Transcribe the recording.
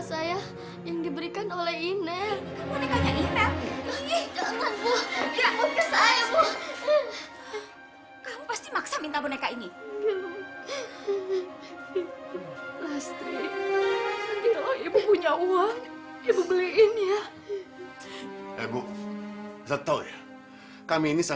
sudah selesai ya